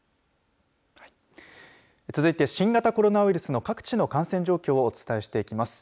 続いて、新型コロナウイルスの各地の感染状況をお伝えしていきます。